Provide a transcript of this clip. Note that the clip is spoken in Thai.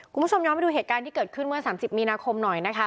คุณผู้ชมย้อนไปดูเหตุการณ์ที่เกิดขึ้นเมื่อ๓๐มีนาคมหน่อยนะคะ